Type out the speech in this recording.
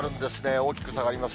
大きく下がります。